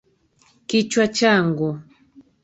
Kichwa changu.